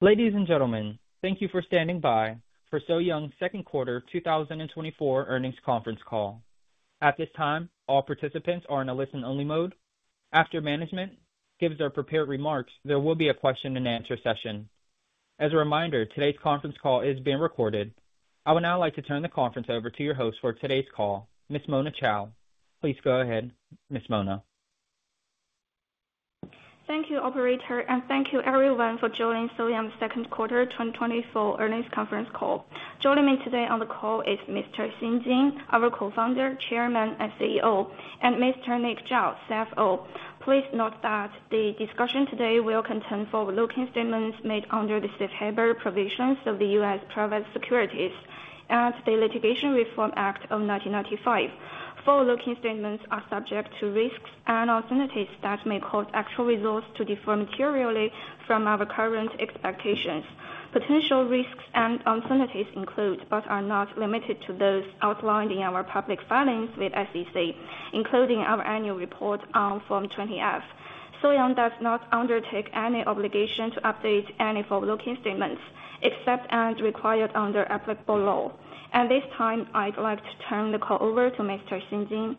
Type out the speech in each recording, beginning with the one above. Ladies and gentlemen, thank you for standing by for So-Young second quarter two thousand and twenty-four earnings conference call. At this time, all participants are in a listen-only mode. After management gives their prepared remarks, there will be a question and answer session. As a reminder, today's conference call is being recorded. I would now like to turn the conference over to your host for today's call, Miss Mona Qiao. Please go ahead, Miss Mona. Thank you, operator, and thank you everyone for joining So-Young second quarter 2024 earnings conference call. Joining me today on the call is Mr. Jin Xing, our Co-founder, Chairman, and CEO, and Mr. Nick Zhao, CFO. Please note that the discussion today will contain forward-looking statements made under the safe harbor provisions of the U.S. Private Securities Litigation Reform Act of 1995. Forward-looking statements are subject to risks and uncertainties that may cause actual results to differ materially from our current expectations. Potential risks and uncertainties include, but are not limited to, those outlined in our public filings with SEC, including our annual report on Form 20-F. So-Young does not undertake any obligation to update any forward-looking statements, except as required under applicable law. At this time, I'd like to turn the call over to Mr. Jin Xing.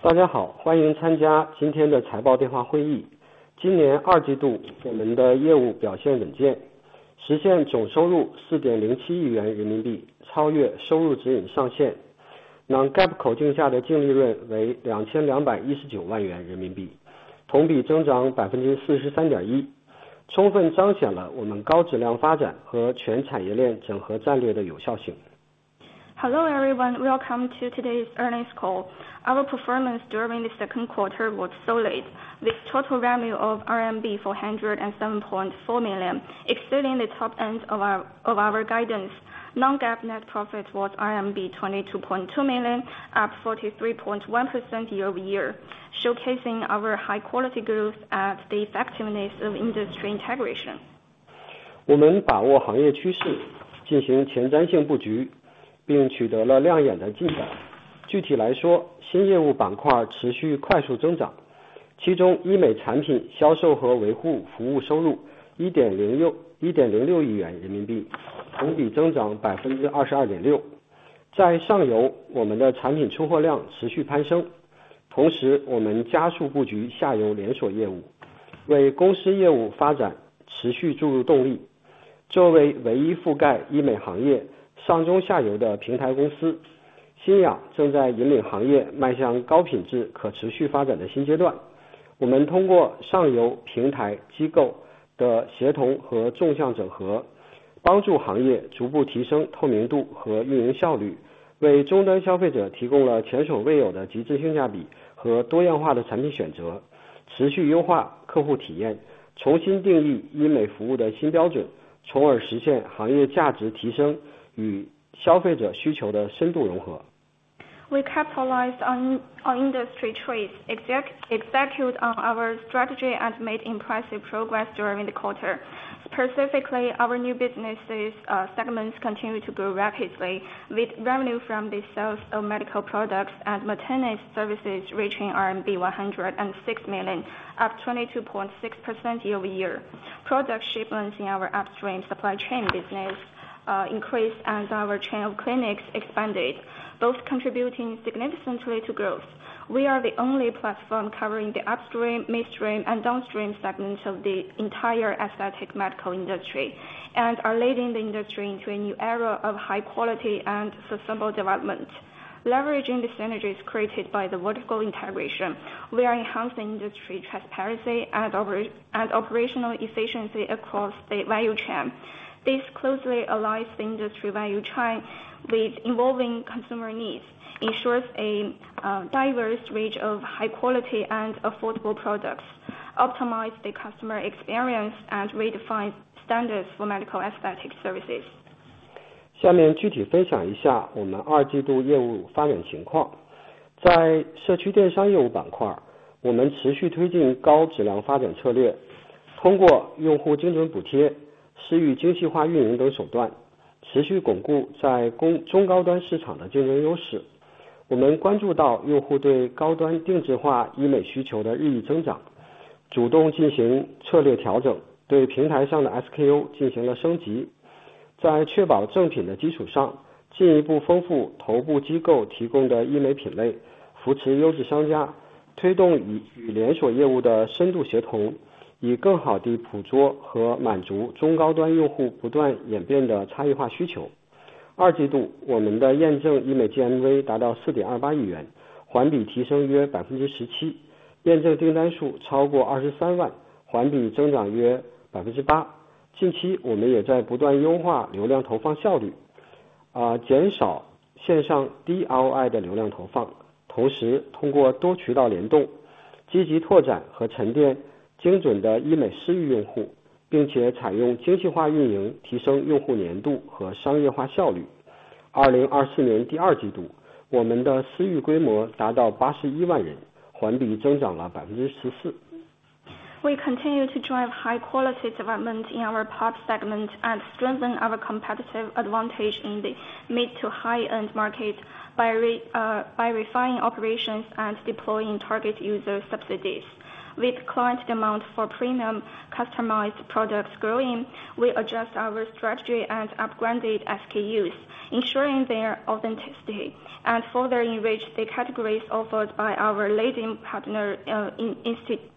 大家好，欢迎参加今天的财报电话会议。今年第二季度，我们的业务表现稳健，实现总收入4.07亿元人民币，超过收入指引上限。Non-GAAP口径下的净利润为2,219万元人民币，同比增长43.1%，充分彰显了我们高质量发展和全产业链整合战略的有效性。Hello, everyone. Welcome to today's earnings call. Our performance during the second quarter was solid, with total revenue of RMB 407.4 million, exceeding the top end of our guidance. Non-GAAP net profit was RMB 22.2 million, up 43.1% year over year, showcasing our high quality growth and the effectiveness of industry integration. We capitalized on industry trends, execute on our strategy, and made impressive progress during the quarter. Specifically, our new businesses segments continued to grow rapidly, with revenue from the sales of medical products and maintenance services reaching RMB 106 million, up 22.6% year over year. Product shipments in our upstream supply chain business increased as our chain of clinics expanded, both contributing significantly to growth. We are the only platform covering the upstream, midstream, and downstream segments of the entire aesthetic medical industry and are leading the industry into a new era of high quality and sustainable development. Leveraging the synergies created by the vertical integration, we are enhancing industry transparency and operational efficiency across the value chain. This closely aligns the industry value chain with evolving consumer needs, ensures a, diverse range of high quality and affordable products, optimize the customer experience, and redefines standards for medical aesthetic services. ...We continue to drive high quality development in our POP segment and strengthen our competitive advantage in the mid to high-end market by refining operations and deploying target user subsidies. With client demand for premium customized products growing, we adjust our strategy and upgraded SKUs, ensuring their authenticity and further enrich the categories offered by our leading partner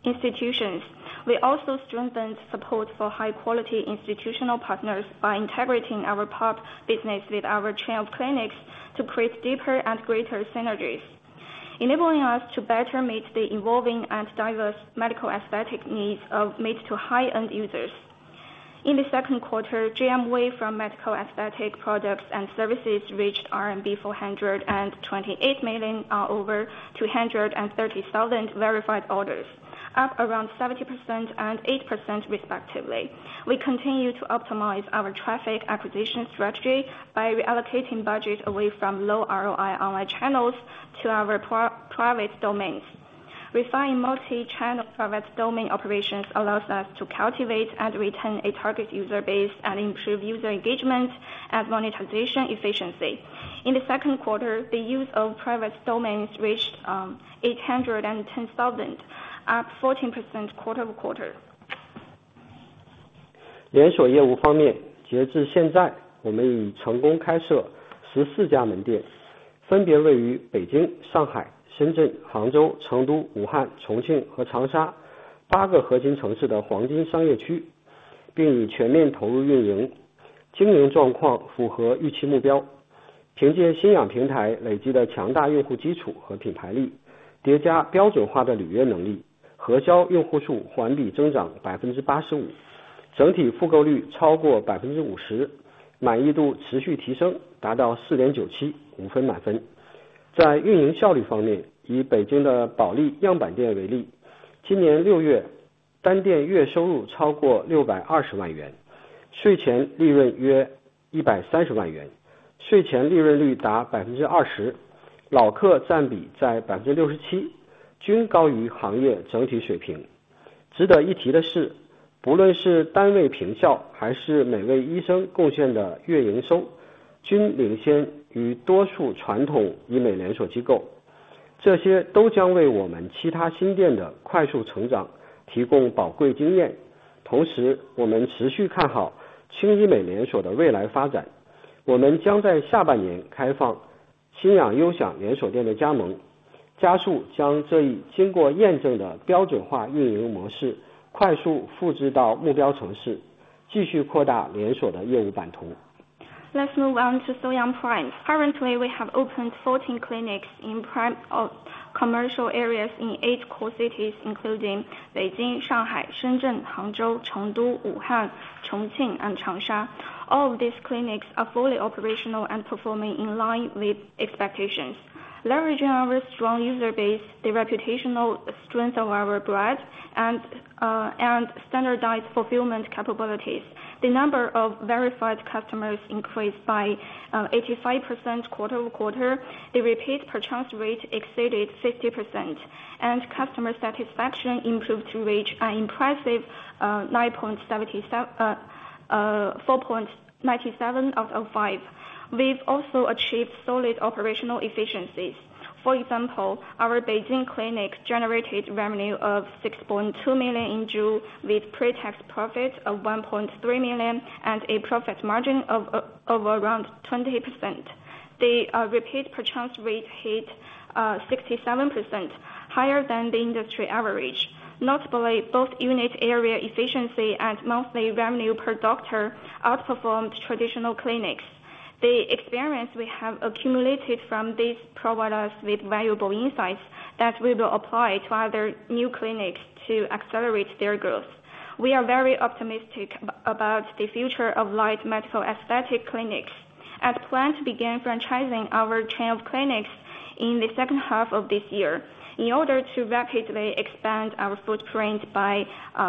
institutions. We also strengthened support for high quality institutional partners by integrating our POP business with our chain of clinics to create deeper and greater synergies, enabling us to better meet the evolving and diverse medical aesthetic needs of mid to high-end users. In the second quarter, GMV from medical aesthetic products and services reached RMB 428 million, over 230,000 verified orders, up around 70% and 8% respectively. We continue to optimize our traffic acquisition strategy by reallocating budget away from low ROI online channels to our private domains. Refined multi-channel private domain operations allows us to cultivate and retain a target user base and improve user engagement and monetization efficiency. In the second quarter, the use of private domains reached 810,000, up 14% quarter over quarter. 620万元，税前利润约RMB Let's move on to So-Young Prime. Currently, we have opened 14 clinics in prime, commercial areas in 8 core cities, including Beijing, Shanghai, Shenzhen, Hangzhou, Chengdu, Wuhan, Chongqing, and Changsha. All of these clinics are fully operational and performing in line with expectations. Leveraging our strong user base, the reputational strength of our brand and standardized fulfillment capabilities, the number of verified customers increased by 85% quarter over quarter. The repeat purchase rate exceeded 50%, and customer satisfaction improved to reach an impressive 4.97 out of five. We've also achieved solid operational efficiencies. For example, our Beijing clinics generated revenue of 6.2 million in June, with pre-tax profits of 1.3 million and a profit margin of around 20%. The repeat purchase rate hit 67%, higher than the industry average. Notably, both unit area efficiency and monthly revenue per doctor outperformed traditional clinics. The experience we have accumulated from these provide us with valuable insights that we will apply to other new clinics to accelerate their growth. We are very optimistic about the future of light medical aesthetic clinics, and plan to begin franchising our chain of clinics in the second half of this year, in order to rapidly expand our footprint by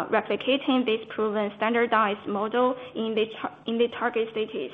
replicating this proven standardized model in the target cities.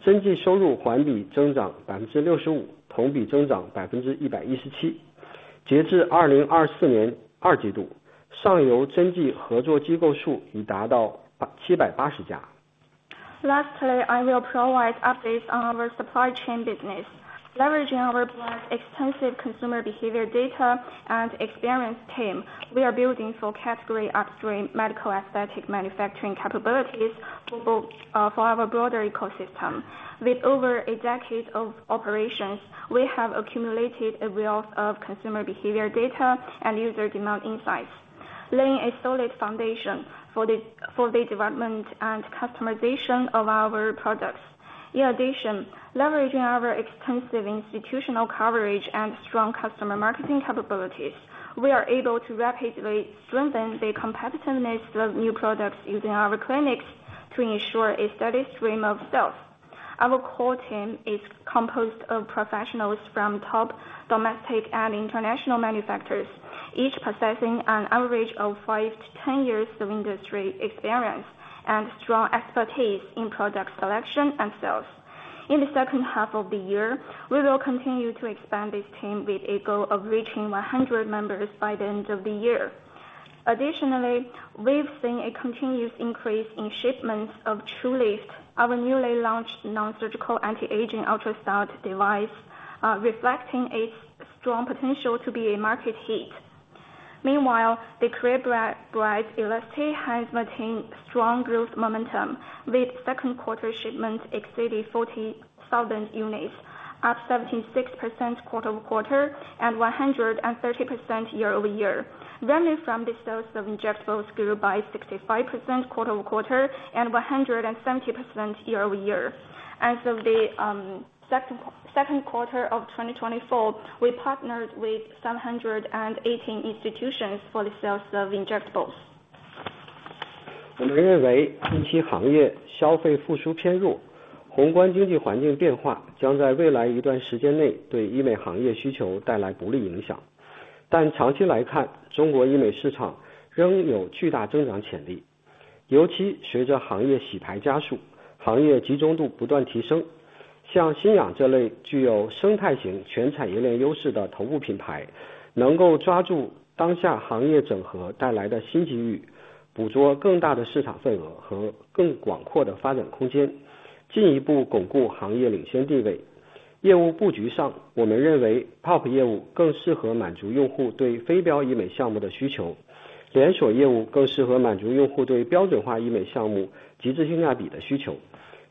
二季度出货量超过四万只，环比增长76%，同比增长113%，增剂收入环比增长65%，同比增长117%。截至2024年二季度，上游增剂合作机构数已达到8,780家。Lastly, I will provide updates on our supply chain business. Leveraging our brand extensive consumer behavior data and experience team, we are building for category upstream medical aesthetic manufacturing capabilities to build for our broader ecosystem. With over a decade of operations, we have accumulated a wealth of consumer behavior data and user demand insights, laying a solid foundation for the development and customization of our products. In addition, leveraging our extensive institutional coverage and strong customer marketing capabilities, we are able to rapidly strengthen the competitiveness of new products using our clinics to ensure a steady stream of sales. Our core team is composed of professionals from top domestic and international manufacturers, each possessing an average of five to 10 years of industry experience and strong expertise in product selection and sales. In the second half of the year, we will continue to expand this team with a goal of reaching 100 members by the end of the year. Additionally, we've seen a continuous increase in shipments of TruLift, our newly launched non-surgical anti-aging ultrasound device, reflecting its strong potential to be a market hit. Meanwhile, Elasty has maintained strong growth momentum, with second quarter shipments exceeding 40,000 units, up 76% quarter over quarter and 130% year over year. Revenue from the sales of injectables grew by 65% quarter over quarter and 170% year over year. As of the second quarter of 2024, we partnered with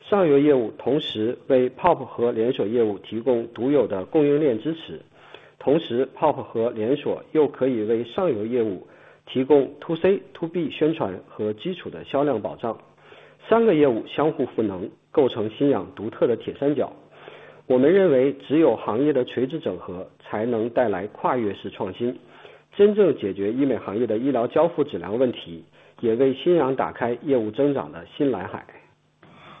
718 institutions for the sales of injectables. 我们认为，近期行业消费复苏偏弱，宏观经济环境变化将在未来一段时间内对医美行业需求带来不利影响。但长期来看，中国医美市场仍有巨大增长潜力，尤其是随着行业洗牌加速，行业集中度不断提升，像新氧这类具有生态型全产业链优势的头部品牌，能够抓住当下行业整合带来的新机遇，捕捉更大的市场份额和更广阔的发展空间，进一步巩固行业领先地位。业务布局上，我们认为POP业务更适合满足用户对非标医美项目的需要，连锁业务更适合满足用户对标准化医美项目极致性价比的需要。上游业务同时为POP和连锁业务提供独有的供应链支持，同时POP和连锁又可以为上游业务提供To C、To B宣传和基础的销量保障。三个业务相互赋能，构成新氧独特的铁三角。我们认为，只有行业的垂直整合才能带来跨越式创新，真正解决医美行业的医疗交付质量问题，也为新氧打开业务增长的新蓝海。Despite this soft recovery in consumption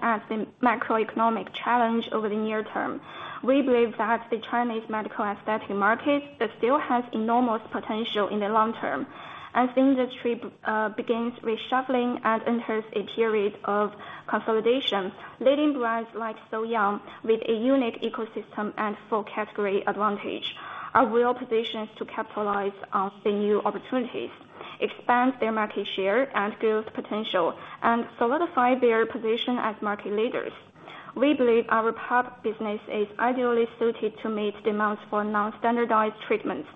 as the macroeconomic challenge over the near term, we believe that the Chinese medical aesthetic market still has enormous potential in the long term. As the industry begins reshuffling and enters a period of consolidation, leading brands like So-Young, with a unique ecosystem and full category advantage, are well positioned to capitalize on the new opportunities, expand their market share and growth potential, and solidify their position as market leaders. We believe our POP business is ideally suited to meet demands for non-standardized treatments,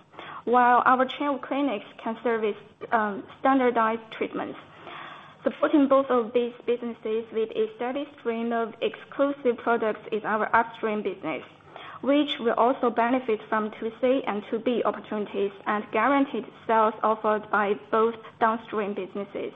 while our chain of clinics can service standardized treatments. Supporting both of these businesses with a steady stream of exclusive products in our upstream business, which will also benefit from To C and To B opportunities and guaranteed sales offered by both downstream businesses.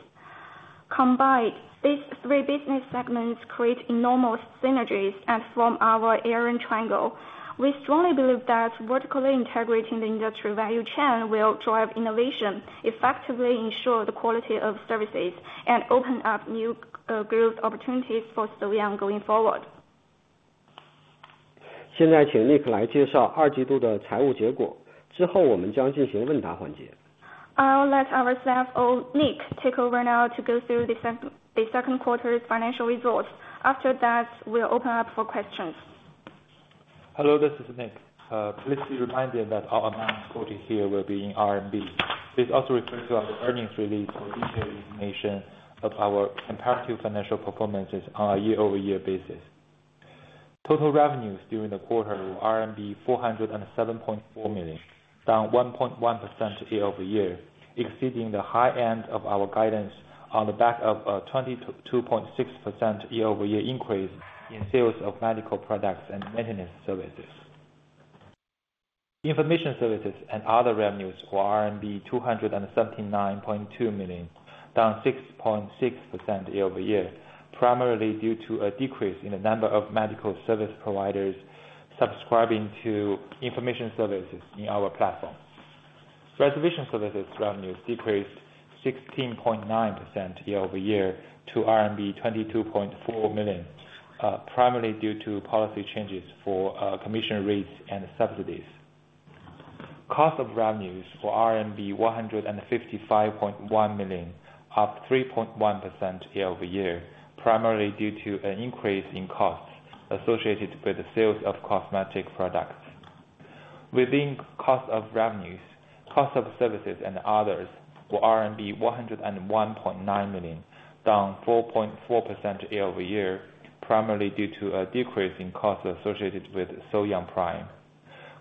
Combined, these three business segments create enormous synergies and form our Iron Triangle. We strongly believe that vertically integrating the industry value chain will drive innovation, effectively ensure the quality of services, and open up new growth opportunities for So-Young going forward. 现在请Nick来介绍二季度的财务结果，之后我们将进行问答环节。I'll let our CFO, Nick, take over now to go through the second quarter's financial results. After that, we'll open up for questions. Hello, this is Nick. Please be reminded that our announced quarter here will be in RMB. Please also refer to our earnings release for detailed information of our comparative financial performances on a year-over-year basis. Total revenues during the quarter were RMB 407.4 million, down 1.1% year over year, exceeding the high end of our guidance on the back of a 22.6% year-over-year increase in sales of medical products and maintenance services. Information services and other revenues were RMB 279.2 million, down 6.6% year over year, primarily due to a decrease in the number of medical service providers subscribing to information services in our platform. Reservation services revenue decreased 16.9% year over year to RMB 22.4 million, primarily due to policy changes for commission rates and subsidies. Cost of revenues for RMB 155.1 million, up 3.1% year-over-year, primarily due to an increase in costs associated with the sales of cosmetic products. Within cost of revenues, cost of services and others were RMB 101.9 million, down 4.4% year-over-year, primarily due to a decrease in costs associated with So-Young Prime.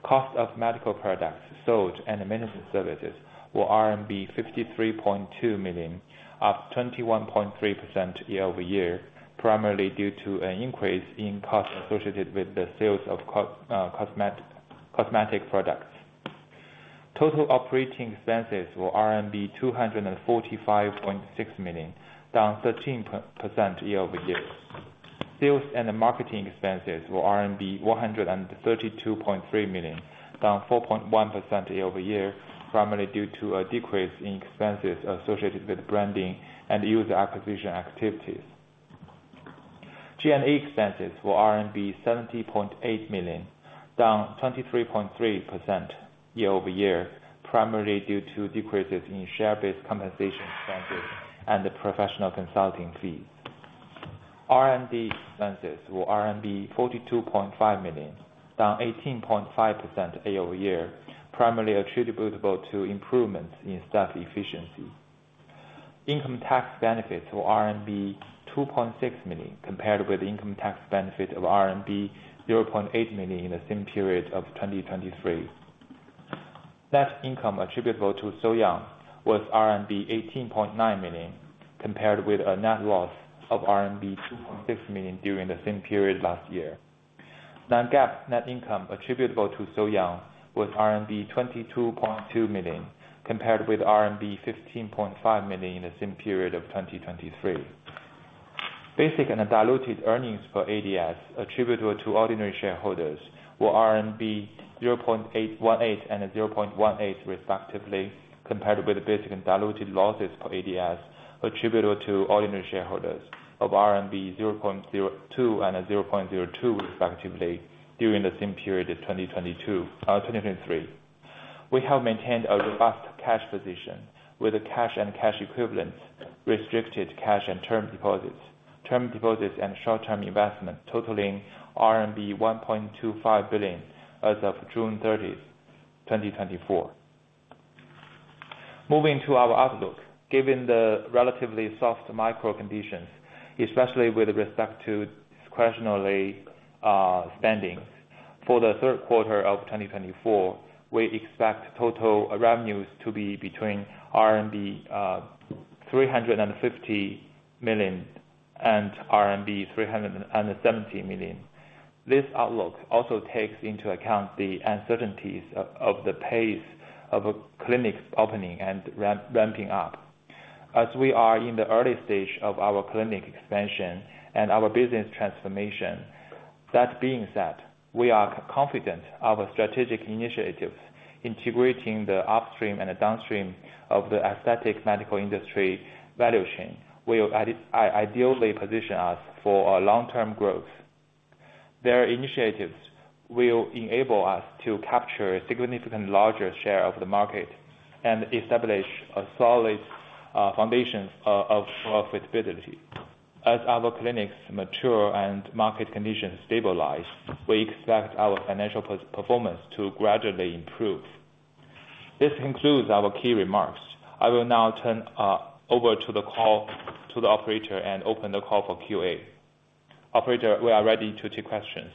Cost of medical products sold and management services were RMB 53.2 million, up 21.3% year-over-year, primarily due to an increase in costs associated with the sales of cosmetic products. Total operating expenses were RMB 245.6 million, down 13% year over year. Sales and marketing expenses were RMB 132.3 million, down 4.1% year over year, primarily due to a decrease in expenses associated with branding and user acquisition activities. G&A expenses were RMB 70.8 million, down 23.3% year over year, primarily due to decreases in share-based compensation expenses and the professional consulting fees. R&D expenses were RMB 42.5 million, down 18.5% year over year, primarily attributable to improvements in staff efficiency. Income tax benefits were RMB 2.6 million, compared with income tax benefit of RMB 0.8 million in the same period of 2023. Net income attributable to So-Young was RMB eighteen point nine million, compared with a net loss of RMB two point six million during the same period last year. Non-GAAP net income attributable to So-Young was RMB twenty-two point two million, compared with RMB fifteen point five million in the same period of 2023. Basic and diluted earnings per ADS attributable to ordinary shareholders were RMB zero point eight one eight and zero point one eight, respectively, compared with the basic and diluted losses per ADS attributable to ordinary shareholders of RMB zero point zero two and zero point zero two, respectively, during the same period of 2022, twenty twenty-three. We have maintained a robust cash position, with a cash and cash equivalents, restricted cash and term deposits, term deposits and short-term investments totaling RMB one point two five billion as of June thirtieth, 2024. Moving to our outlook. Given the relatively soft micro conditions, especially with respect to discretionary spending, for the third quarter of 2024, we expect total revenues to be between RMB 350 million and RMB 370 million. This outlook also takes into account the uncertainties of the pace of clinics opening and ramping up, as we are in the early stage of our clinic expansion and our business transformation. That being said, we are confident our strategic initiatives, integrating the upstream and downstream of the aesthetic medical industry value chain, will ideally position us for long-term growth. Their initiatives will enable us to capture a significant larger share of the market and establish a solid foundation of profitability. As our clinics mature and market conditions stabilize, we expect our financial performance to gradually improve. This concludes our key remarks. I will now turn over to the call, to the operator and open the call for QA. Operator, we are ready to take questions.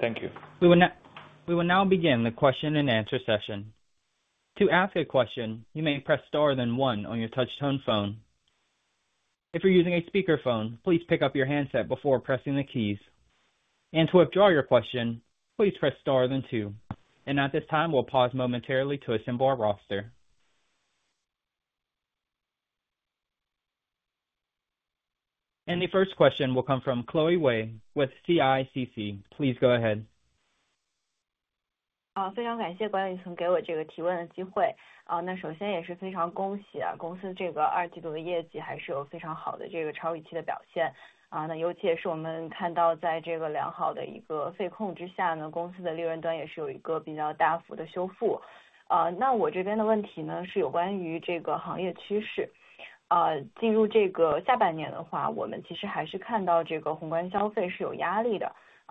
Thank you. We will now begin the question and answer session. To ask a question, you may press star then one on your touchtone phone. If you're using a speakerphone, please pick up your handset before pressing the keys. And to withdraw your question, please press star then two. And at this time, we'll pause momentarily to assemble our roster. And the first question will come from Chloe Wei with CICC. Please go ahead.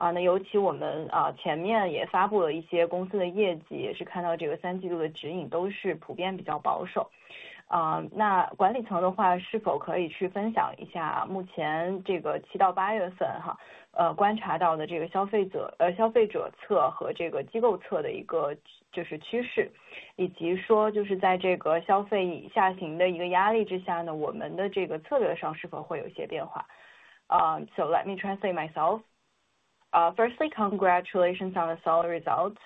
非常感谢管理层给我这个提问的机会。那首先也是非常恭喜啊，公司这个二季度的业绩还是有非常好的这个超预期的表现。那尤其是我们看到在这个良好的一个费控之下呢，公司的利润端也是有一个比较大幅的修复。那我这边的问题呢，是有关于是这个行业趋势。进入这个下半年的话，我们其实还是看到这个宏观消费是有压力的。那尤其是我们，呃，前面也发布了一些公司的业绩，也是看到这个三季度的指引都是普遍比较保守。那管理层的话，是否可以去分享一下目前这个七到八月份哈，观察到的这个消费者... So let me translate myself. Firstly, congratulations on the solid results.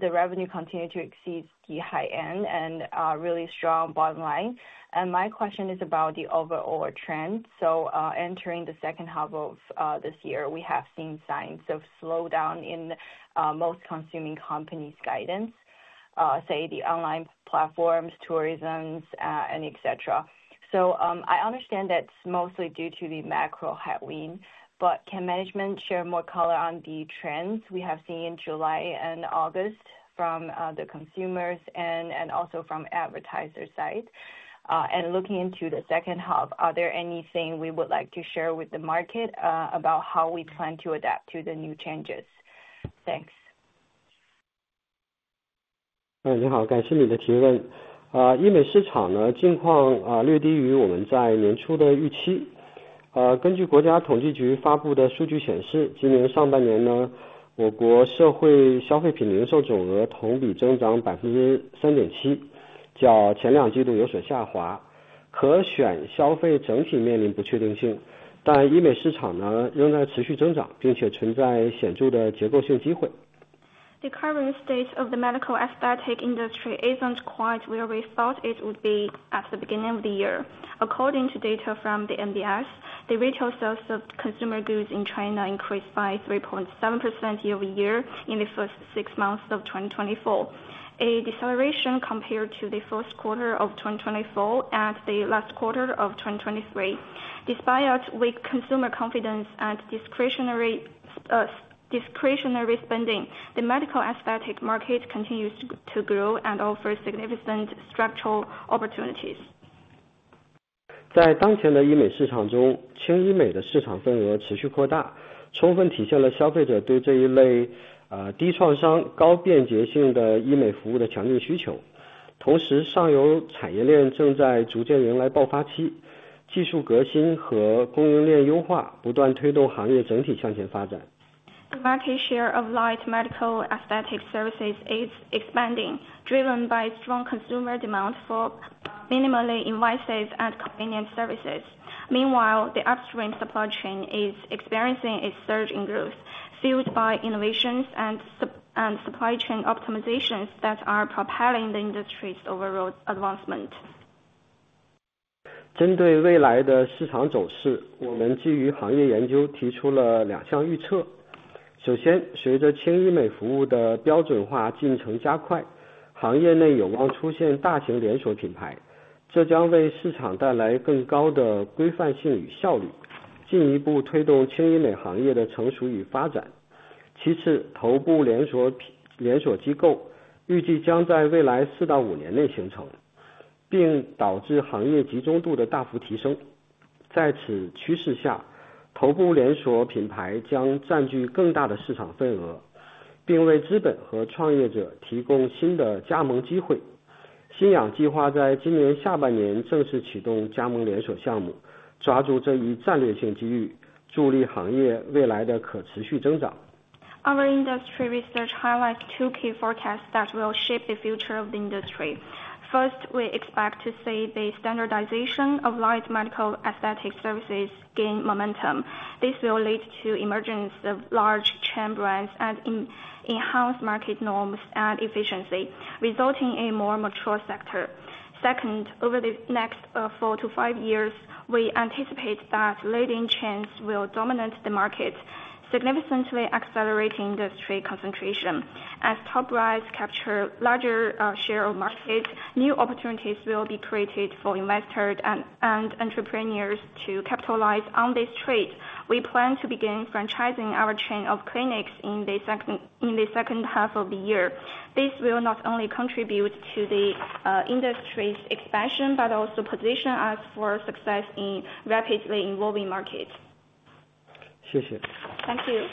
The revenue continued to exceed the high end and really strong bottom line. And my question is about the overall trend. So, entering the second half of this year, we have seen signs of slowdown in most consuming companies' guidance.... say, the online platforms, tourisms, and et cetera. So, I understand that's mostly due to the macro headwind, but can management share more color on the trends we have seen in July and August from the consumers and also from advertiser side? And looking into the second half, are there anything we would like to share with the market about how we plan to adapt to the new changes? Thanks. 你好，感谢你的提问。医美市场呢近况，略低于我们在年初的预期。根据国家统计局发布的数据显示，今年上半年呢，我国社会消费品零售总额同比增加3.7%，较前两季度有所下滑，可选消费整体面临不确定性，但医美市场呢，仍然持续增长，并且存在显著的结构性机会。The current state of the medical aesthetic industry isn't quite where we thought it would be at the beginning of the year. According to data from the NBS, the retail sales of consumer goods in China increased by 3.7% year over year in the first six months of 2024, a deceleration compared to the first quarter of 2024 and the last quarter of 2023. Despite weak consumer confidence and discretionary spending, the medical aesthetic market continues to grow and offer significant structural opportunities. The market share of light medical aesthetic services is expanding, driven by strong consumer demand for minimally invasive and convenient services. Meanwhile, the upstream supply chain is experiencing a surge in growth, fueled by innovations and supply chain optimizations that are propelling the industry's overall advancement. Our industry research highlights two key forecasts that will shape the future of the industry. First, we expect to see the standardization of light medical aesthetic services gain momentum. This will lead to emergence of large chain brands and enhanced market norms and efficiency, resulting in a more mature sector. Second, over the next four to five years, we anticipate that leading chains will dominate the market, significantly accelerating industry concentration. As top brands capture larger share of market, new opportunities will be created for investors and entrepreneurs to capitalize on this trade. We plan to begin franchising our chain of clinics in the second half of the year. This will not only contribute to the industry's expansion, but also position us for success in rapidly evolving markets. 谢谢。Thank you.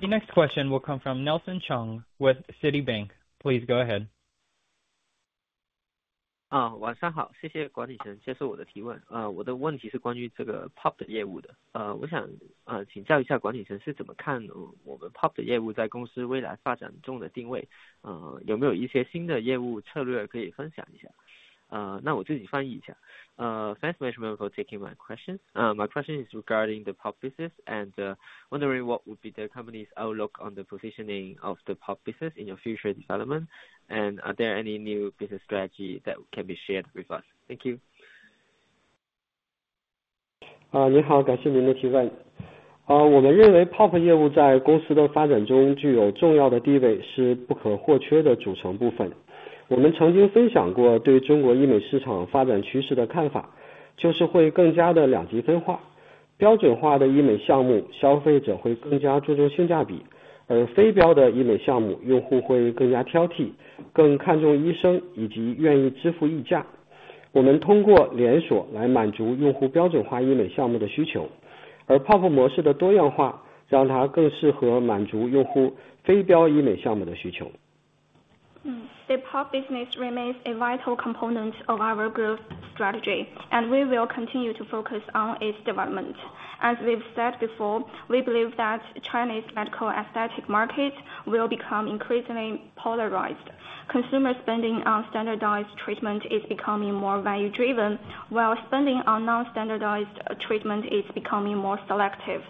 The next question will come from Nelson Cheung with Citibank. Please go ahead. 啊，晚上好。谢谢管理层接受我的提问。我的问题是关于这个POP业务的，我想，请教一下管理层是怎么看我们POP的业务在公司未来发展中的定位，有没有一些新的业务策略可以分享一下？那我自己翻译一下。Thanks, management for taking my question. My question is regarding the POP business, and, wondering what would be the company's outlook on the positioning of the POP business in your future development? And are there any new business strategy that can be shared with us? Thank you. 你好，感谢您的提问。我们认为POP业务在公司的发 The POP business remains a vital component of our growth strategy, and we will continue to focus on its development. As we've said before, we believe that China's medical aesthetic market will become increasingly polarized. Consumer spending on standardized treatment is becoming more value-driven, while spending on non-standardized treatment is becoming more selective,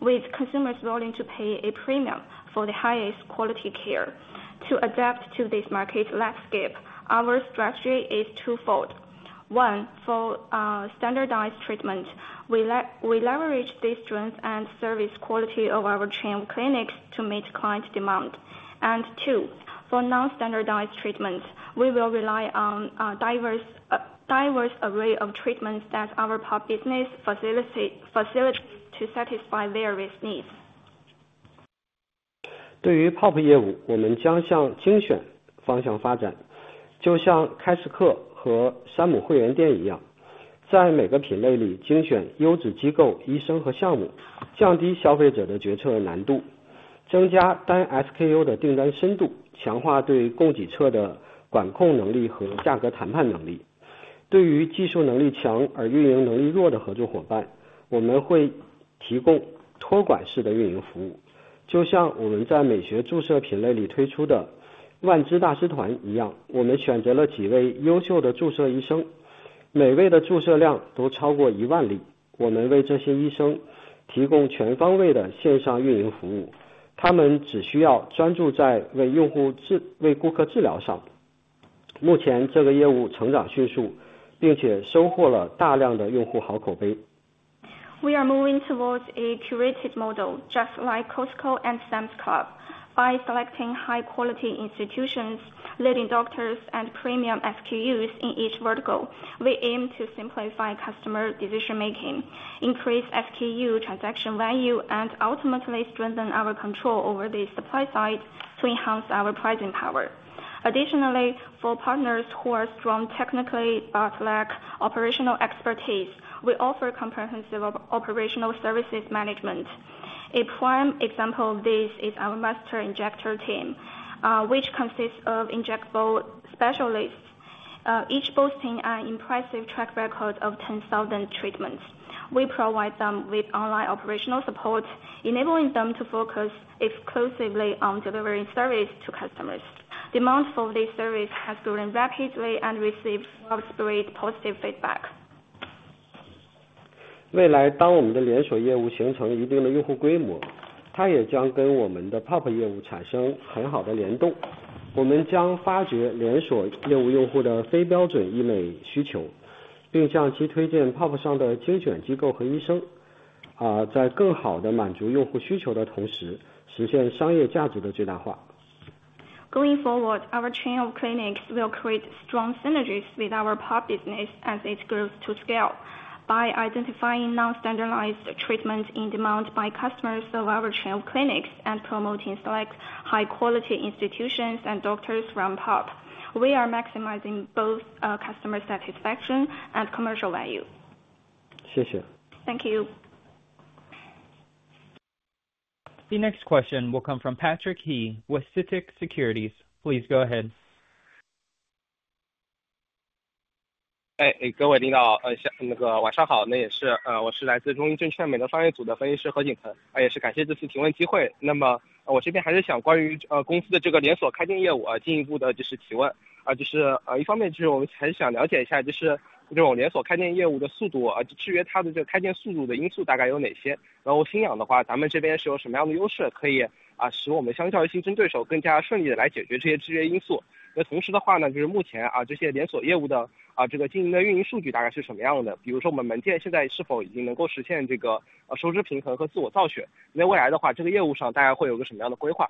with consumers willing to pay a premium for the highest quality care. To adapt to this market landscape, our strategy is twofold. One, for standardized treatment, we leverage the strength and service quality of our chain of clinics to meet client demand. And two, for non-standardized treatment, we will rely on a diverse array of treatments that our POP business facilitates to satisfy various needs. We are moving towards a curated model, just like Costco and Sam's Club. By selecting high quality institutions, leading doctors, and premium SKUs in each vertical, we aim to simplify customer decision making, increase SKU transaction value, and ultimately strengthen our control over the supply side to enhance our pricing power. Additionally, for partners who are strong technically, but lack operational expertise, we offer comprehensive operational services management. A prime example of this is our master injector team, which consists of injectable specialists, each boasting an impressive track record of 10,000 treatments. We provide them with online operational support, enabling them to focus exclusively on delivering service to customers. Demand for this service has grown rapidly and received widespread positive feedback. 未来，当我们的连锁业务形成一定的用户规模，它也将跟我们的pop业务产生很好的联动。我们将发掘连锁业务用户的非标准化医美需求，并向其推荐pop上的精选机构和医生，而在更好地满足用户需求的同时，实现商业价值的最大化。Going forward, our chain of clinics will create strong synergies with our POP business as it grows to scale. By identifying non-standardized treatment in demand by customers of our chain of clinics, and promoting select high quality institutions and doctors from POP. We are maximizing both customer satisfaction and commercial value. 谢谢。Thank you。The next question will come from Patrick He with CITIC Securities. Please go ahead. Hello, everyone, good evening! I am from CITIC Securities' healthcare industry group, analyst Patrick He. Thank you for this opportunity to ask a question. I would like to further ask about the company's chain clinic business. On one hand, we would like to understand the speed of this chain clinic business, what are the main factors restricting the speed of opening new clinics? For So-Young, what advantages do we have that allow us to solve these restricting factors more smoothly compared to competitors? At the same time, what are the current operating metrics of these chain businesses? For example, are our clinics now able to achieve break-even and self-sustaining operations? In the future, what are the general plans for this business?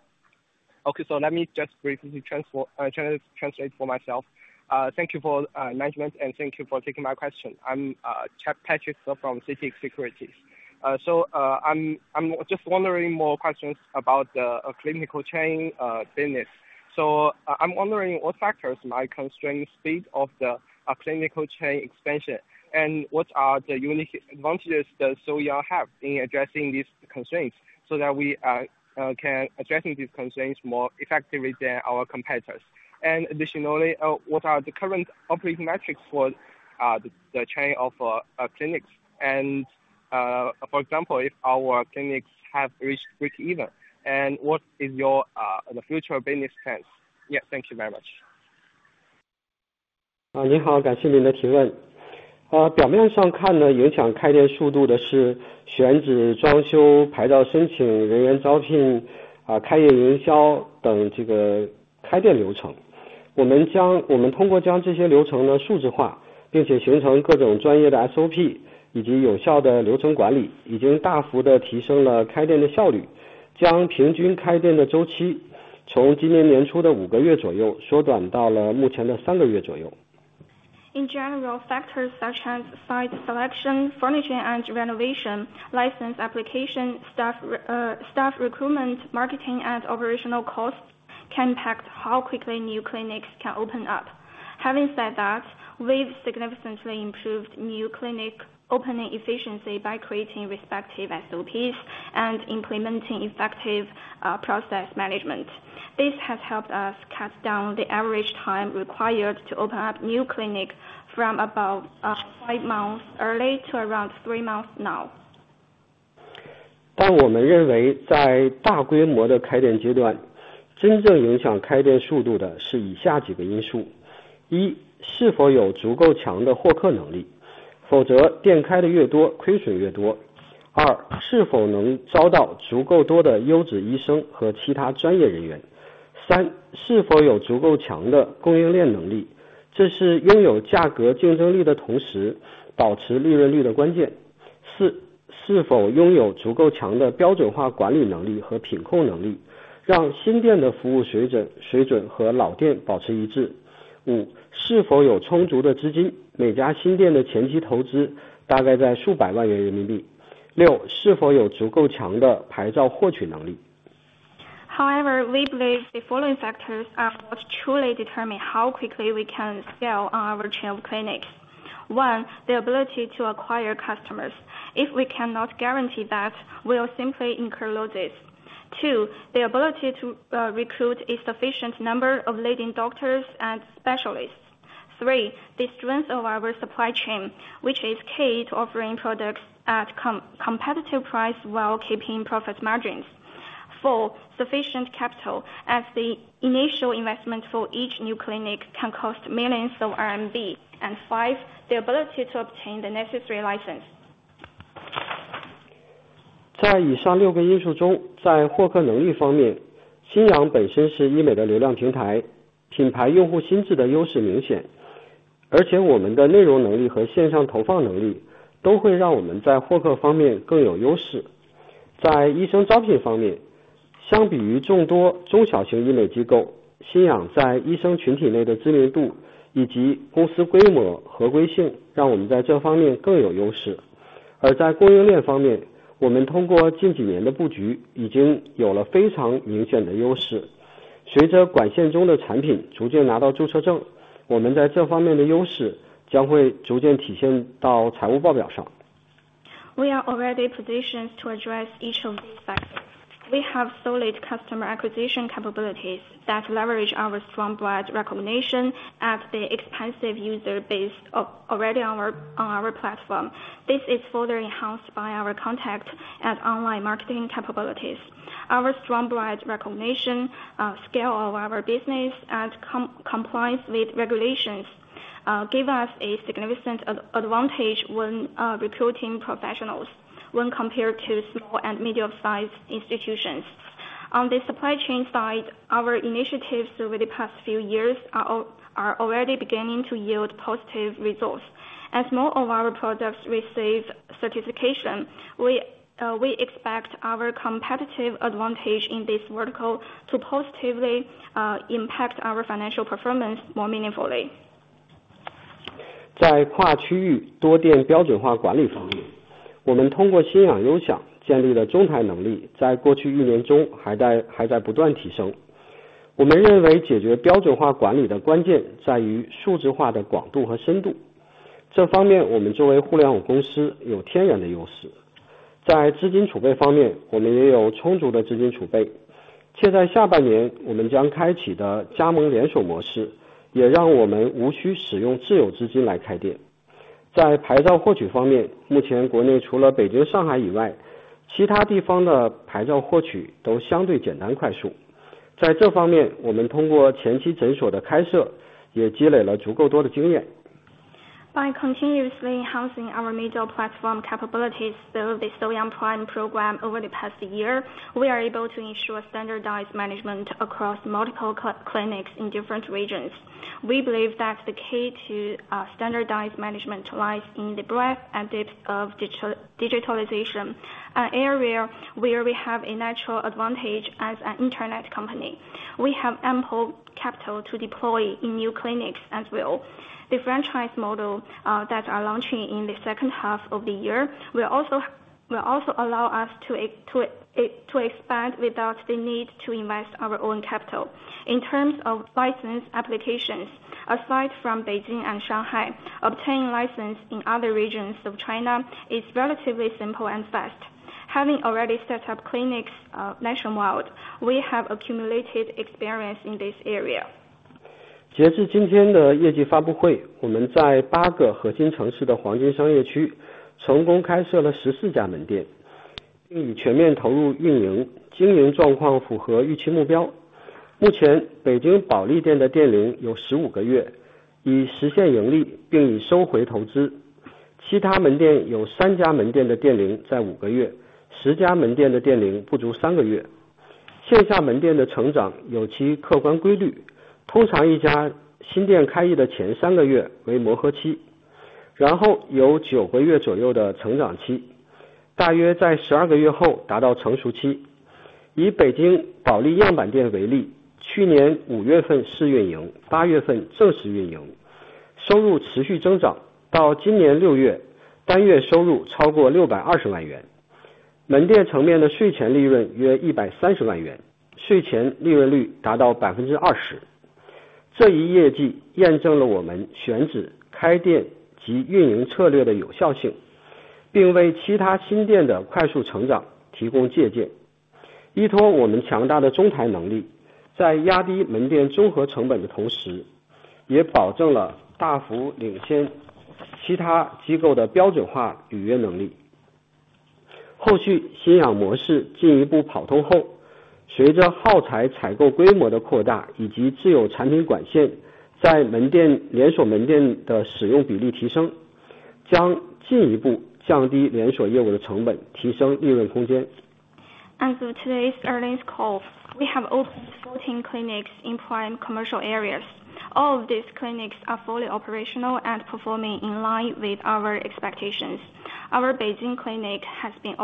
OK, so let me just briefly transform, translate for myself. Thank you for management, and thank you for taking my question. I'm Patrick from CITIC Securities. So I'm just wondering more questions about the clinical chain business. So I'm wondering what factors might constrain the speed of the clinical chain expansion, and what are the unique advantages that So-Young have in addressing these constraints, so that we can address these constraints more effectively than our competitors? And additionally, what are the current operating metrics for the chain of clinics? And for example, if our clinics have reached breakeven, and what is your the future business plans? Yeah, thank you very much. 你好，感谢您的提问。表面上看呢，影响开店速度的是选址、装修、牌照申请、人员招聘、开业营销等这个开店流程。我们通过将这些流程呢数字化，并且形成各种专业的SOP，以及有效的流程管理，已经大幅地提升了开店的效率，将平均开店的周期从今年年初的五个月左右缩短到了目前的三个月左右。In general, factors such as site selection, furnishing and renovation, license application, staff recruitment, marketing and operational costs, can impact how quickly new clinics can open up. Having said that, we've significantly improved new clinic opening efficiency by creating respective SOPs and implementing effective process management. This has helped us cut down the average time required to open up new clinics from about five months early to around three months now. 但我们认为，在大规模的开店阶段，真正影响开店速度的是以下几个因素：一、是否有足够强的获客能力，否则店开得越多，亏损越多；二、是否能招到足够多的优质医生和其他专业人员。... 三，是否有足够强的供应链能力，这是拥有价格竞争力的同时保持利润率的关键。四，是否拥有足够强的标准化管理能力和品控能力，让新店的服务水准和老店保持一致。五，是否有充足的资金？每家新店的前期投资大概在数百万人民币。六，是否有足够强的牌照获取能力。However, we believe the following factors are what truly determine how quickly we can scale on our chain of clinics. One, the ability to acquire customers. If we cannot guarantee that, we will simply incur losses. Two, the ability to recruit a sufficient number of leading doctors and specialists. Three, the strength of our supply chain, which is key to offering products at competitive price while keeping profit margins. Four, sufficient capital as the initial investment for each new clinic can cost millions of RMB. And five, the ability to obtain the necessary license. We are already positioned to address each of these factors. We have solid customer acquisition capabilities that leverage our strong brand recognition and the expansive user base already on our platform. This is further enhanced by our contact and online marketing capabilities. Our strong brand recognition, scale of our business and compliance with regulations, give us a significant advantage when recruiting professionals when compared to small and medium-sized institutions. On the supply chain side, our initiatives over the past few years are already beginning to yield positive results. As more of our products receive certification, we expect our competitive advantage in this vertical to positively impact our financial performance more meaningfully. By continuously enhancing our major platform capabilities through the N Prime program over the past year, we are able to ensure standardized management across multiple clinics in different regions. We believe that the key to standardized management lies in the breadth and depth of digitalization, an area where we have a natural advantage as an Internet company. We have ample capital to deploy in new clinics as well. The franchise model that are launching in the second half of the year will also allow us to expand without the need to invest our own capital. In terms of license applications, aside from Beijing and Shanghai, obtaining license in other regions of China is relatively simple and fast. Having already set up clinics nationwide, we have accumulated experience in this area. 进一步降低连锁业务的成本，提升利润空间。As of today's earnings call, we have opened 14 clinics in prime commercial areas. All of these clinics are fully operational and performing in line with our expectations. Our Beijing clinic has been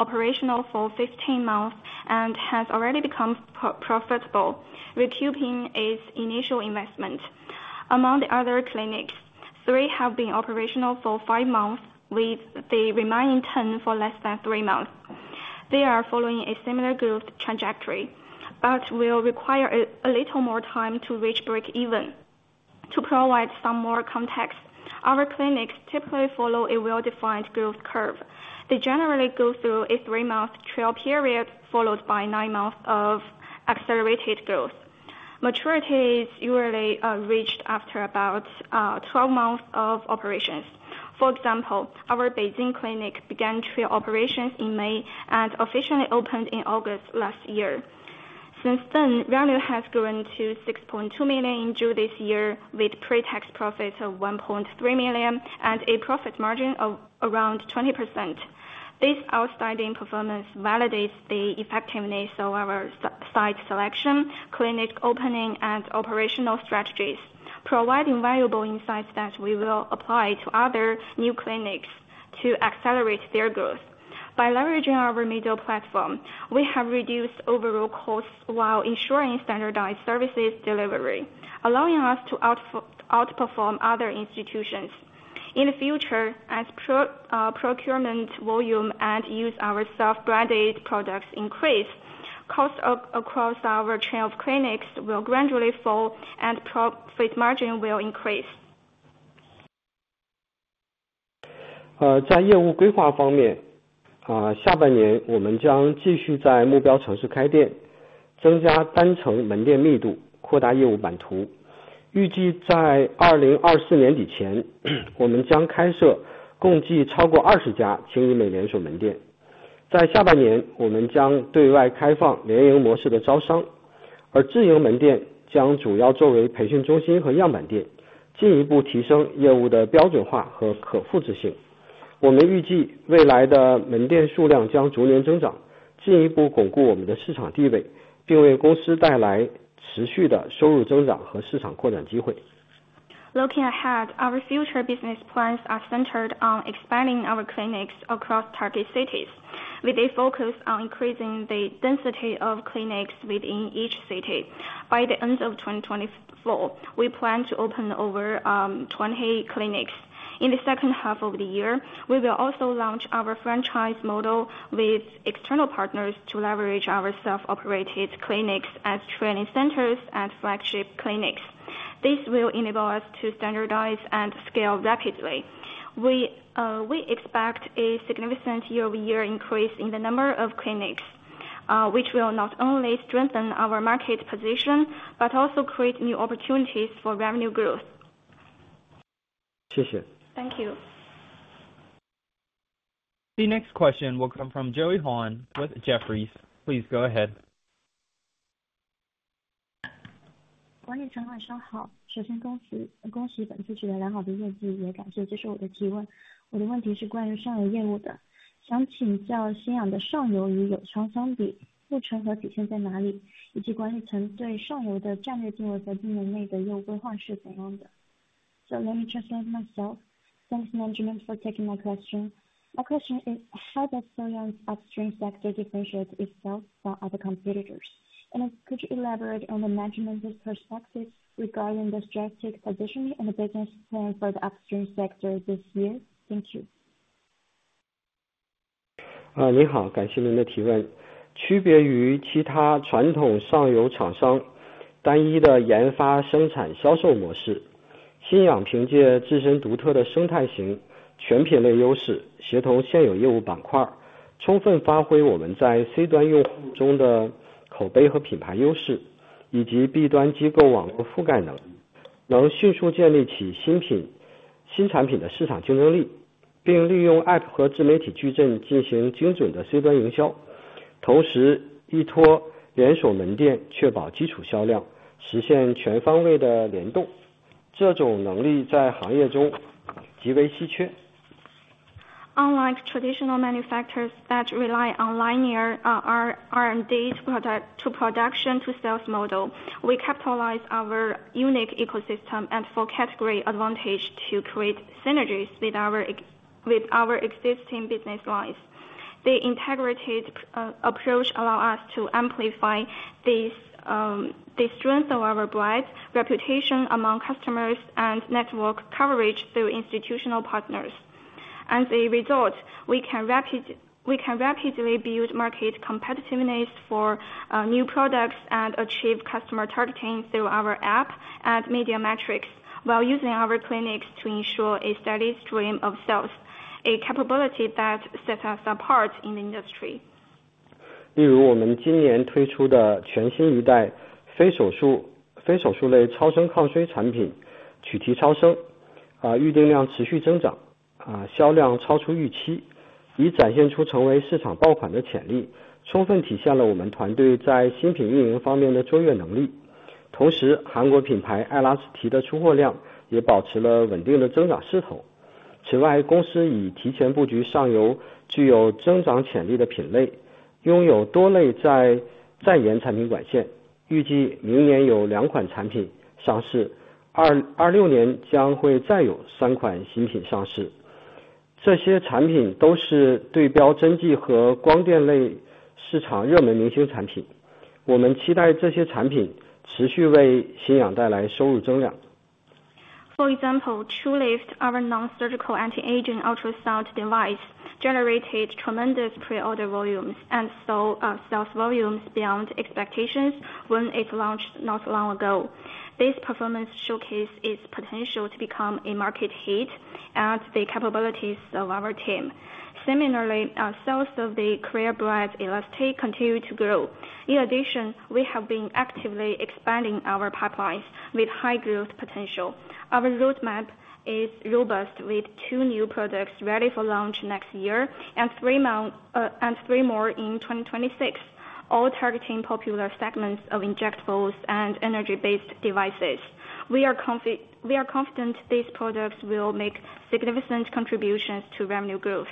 operational for 15 months, and has already become profitable, recouping its initial investment. Among the other clinics, three have been operational for five months, with the remaining ten for less than three months. They are following a similar growth trajectory, but will require a little more time to reach break even. To provide some more context, our clinics typically follow a well-defined growth curve. They generally go through a three-month trial period, followed by nine months of accelerated growth. Maturity is usually reached after about twelve months of operations. For example, our Beijing clinic began trial operations in May and officially opened in August last year. Since then, revenue has grown to 6.2 million in June this year, with pre-tax profits of 1.3 million and a profit margin of around 20%. This outstanding performance validates the effectiveness of our site selection, clinic opening and operational strategies, providing valuable insights that we will apply to other new clinics to accelerate their growth. By leveraging our platform, we have reduced overall costs while ensuring standardized services delivery, allowing us to outperform other institutions. In the future, as procurement volume and use of our self-branded products increase, costs across our chain of clinics will gradually fall and profit margin will increase. In terms of business planning, in the second half of the year we will continue to open stores in target cities, increase single-city store density, expand the business landscape. It is expected that before the end of 2024, we will open a total of more than 20 So-Young Prime chain stores. In the second half of the year, we will open to the outside recruitment for the joint operation model, while directly operated stores will mainly serve as training centers and model stores, further elevating the standardization and replicability of the business. We expect the number of stores in the future to grow year by year, further consolidating our market position, and bringing sustained revenue growth and market expansion opportunities to the company. Looking ahead, our future business plans are centered on expanding our clinics across target cities, with a focus on increasing the density of clinics within each city. By the end of twenty twenty-four, we plan to open over twenty clinics. In the second half of the year, we will also launch our franchise model with external partners to leverage our self-operated clinics as training centers and flagship clinics. This will enable us to standardize and scale rapidly. We expect a significant year-over-year increase in the number of clinics, which will not only strengthen our market position, but also create new opportunities for revenue growth. 谢谢。Thank you。The next question will come from Joey Hon with Jefferies. Please go ahead. Thanks, management, for taking my question. My question is, how does So-Young's upstream sector differentiate itself from other competitors, and could you elaborate on the management's perspectives regarding the strategic position and the business plan for the upstream sector this year? Thank you. Unlike traditional manufacturers that rely on linear R&D to production to sales model, we capitalize our unique ecosystem and full category advantage to create synergies with our existing business lines. The integrated approach allows us to amplify the strength of our brand, reputation among customers and network coverage through institutional partners. As a result, we can rapidly build market competitiveness for new products and achieve customer targeting through our app and media metrics, while using our clinics to ensure a steady stream of sales, a capability that sets us apart in the industry. For example, TruLift, our non-surgical anti-aging ultrasound device, generated tremendous pre-order volumes and so, sales volumes beyond expectations when it launched not long ago. This performance showcase its potential to become a market hit as the capabilities of our team. Similarly, sales of the Elasty continue to grow. In addition, we have been actively expanding our pipelines with high growth potential. Our roadmap is robust with two new products ready for launch next year and three more, and three more in 2026, all targeting popular segments of injectables and energy-based devices. We are confident these products will make significant contributions to revenue growth.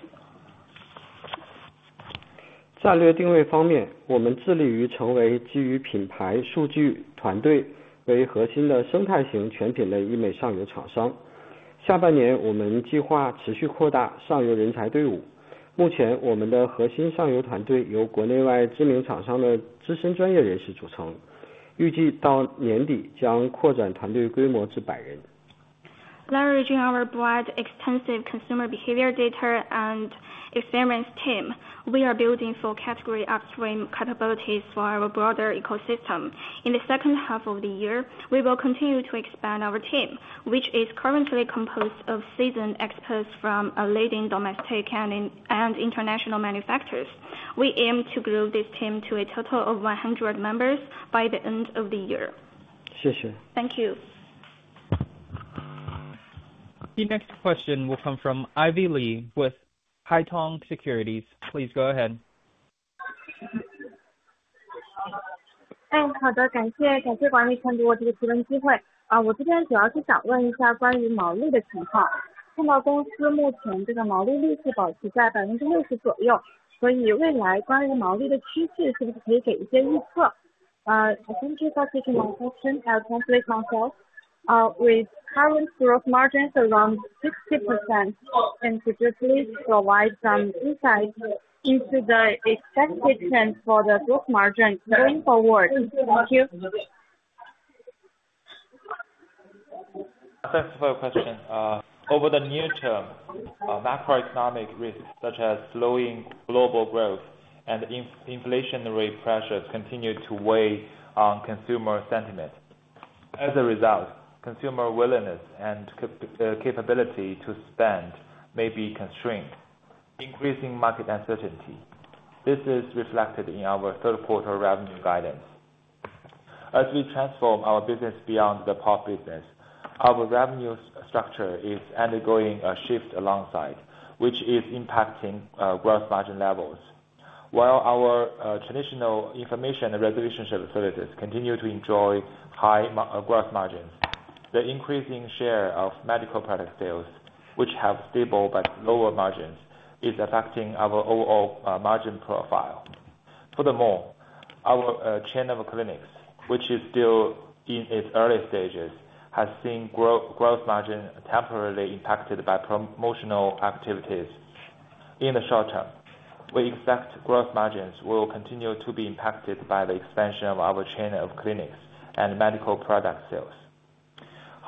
Leveraging our broad, extensive consumer behavior data and experienced team, we are building for category upstream capabilities for our broader ecosystem. In the second half of the year, we will continue to expand our team, which is currently composed of seasoned experts from a leading domestic and international manufacturers. We aim to grow this team to a total of 100 members by the end of the year. 谢谢。Thank you. The next question will come from Ivy Lee with Haitong Securities. Please go ahead. Thank you for taking my question on the call, with current gross margins around 60%, and could you please provide some insight into the expected trend for the gross margin going forward? Thank you. Thanks for your question. Over the near term, macroeconomic risks, such as slowing global growth and inflationary pressures, continue to weigh on consumer sentiment. As a result, consumer willingness and capability to spend may be constrained, increasing market uncertainty. This is reflected in our third quarter revenue guidance. As we transform our business beyond the POP business, our revenue structure is undergoing a shift alongside, which is impacting growth margin levels. While our traditional information and reservation services continue to enjoy high growth margins, the increasing share of medical product sales, which have stable but lower margins, is affecting our overall margin profile. Furthermore, our chain of clinics, which is still in its early stages, has seen growth margin temporarily impacted by promotional activities. In the short term, we expect growth margins will continue to be impacted by the expansion of our chain of clinics and medical product sales.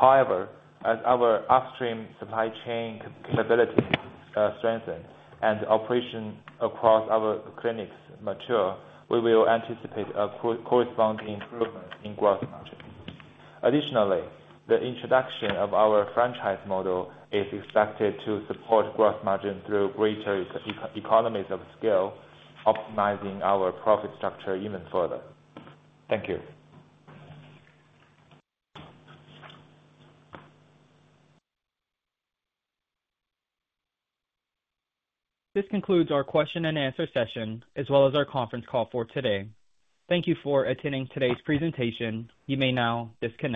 However, as our upstream supply chain capability strengthen and operation across our clinics mature, we will anticipate a corresponding improvement in growth margins. Additionally, the introduction of our franchise model is expected to support gross margin through greater economies of scale, optimizing our profit structure even further. Thank you. This concludes our question and answer session, as well as our conference call for today. Thank you for attending today's presentation. You may now disconnect.